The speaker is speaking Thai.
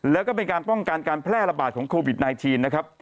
แล้วก็เป็นการป้องกันการแพร่ระบาดของโควิด๑๙นะครับ